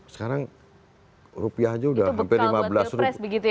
sekarang rupiahnya udah hampir lima belas ribu